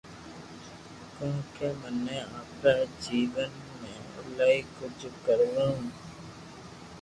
ڪونڪھ مني آپرا جيون ۾ ايلائي ڪجھ ڪروو